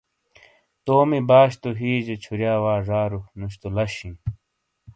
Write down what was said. تومی باش تو ہیجے چھُوریا وا زارو، نُش تو لش ہِیں۔